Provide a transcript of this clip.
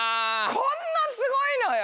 こんなすごいのよ！